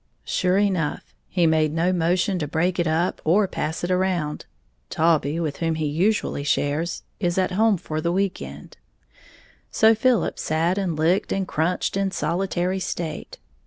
Sure enough, he made no motion to break it up or pass it around (Taulbee, with whom he usually shares, is at home for the week end). So Philip sat and licked and crunched in solitary state.